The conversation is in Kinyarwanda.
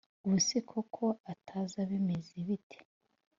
ubuse ko ataza bimeze bite